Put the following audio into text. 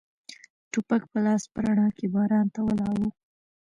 ټوپک په لاس په رڼا کې باران ته ولاړ و.